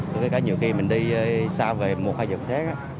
thực ra cả nhiều khi mình đi xa về một hay dựng xét